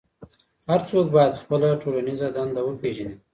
هر څوک بايد خپله ټولنيزه دنده وپېژني.